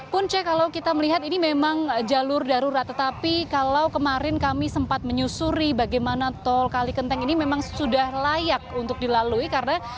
punca kalau kita melihat ini memang jalur darurat tetapi kalau kemarin kami sempat menyusuri bagaimana tol kalikenteng ini memang sudah layak untuk dilalui karena